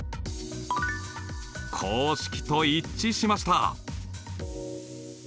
公式と一致しました！